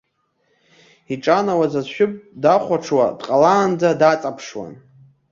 Иҿанауаз асшәыб дахәаҽуа дҟалаанӡа даҵаԥшуан.